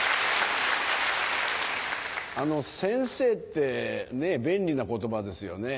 あの「先生」って便利な言葉ですよね。